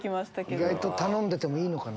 意外と頼んでていいのかも。